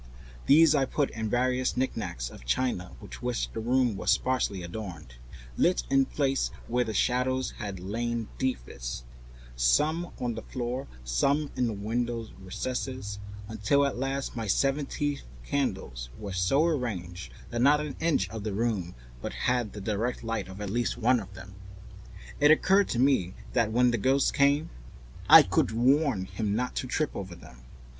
These I put in the various knick knacks of china with which the room was sparsely adorned, and lit and placed them where the shadows had lain deepest, some on the floor, some in the window recesses, arranging and rearranging them until at last my seventeen candles were so placed that not an inch of the room but had the direct light of at least one of them. It occurred to me that when the ghost came I could warn him not to trip over them.